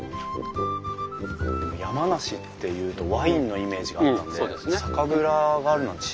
でも山梨っていうとワインのイメージがあったんで酒蔵があるなんて知りませんでした。